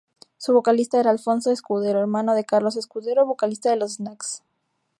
Su vocalista era Alfonso Escudero, hermano de Carlos Escudero, vocalista de Los Snacks.